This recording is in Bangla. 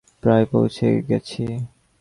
প্রায় পৌঁছে গেছি!